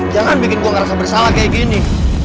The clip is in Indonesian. jangan bikin gue nggak rasa bersalah kayak gini